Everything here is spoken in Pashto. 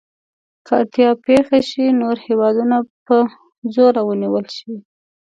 که اړتیا پېښه شي نور هېوادونه په زوره ونیول شي.